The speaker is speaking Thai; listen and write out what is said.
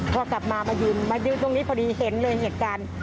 พอกลับมามายืนมายืนตรงนี้พอดีเห็นเลยเหตุการณ์